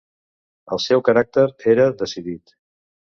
El seu caràcter era decidit.